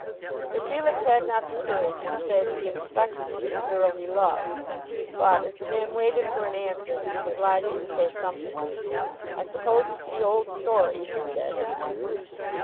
Sir Felix had not the courage to say that he expected to get the girl he loved. But as the man waited for an answer he was obliged to say something. "I suppose it's the old story," he said.